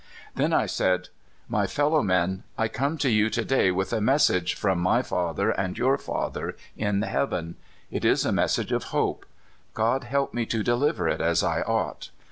Then I said: *' My fellow men, I come to you to day with a message from my Father and your Father in heaven. It is a message of hope. God help me to deliver it as I ought